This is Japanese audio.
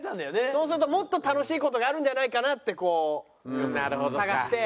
そうするともっと楽しい事があるんじゃないかなってこう探して。